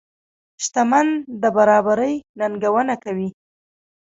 شتمن د برابرۍ ننګونه کوي.